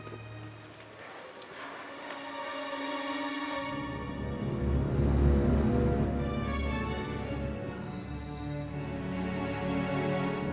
kau tahu aku sudah selesai mencari pintu kamar